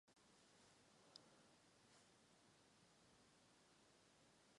Supervaronis esmu Zirnekļa cilvēks, mani tas pilnīgi apmierina.